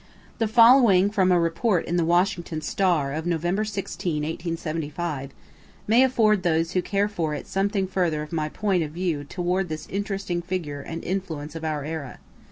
The following from a report in the Washington "Star" of November 16, 1875, may afford those who care for it something further of my point of view toward this interesting figure and influence of our era.